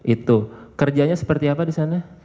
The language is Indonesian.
itu kerjanya seperti apa di sana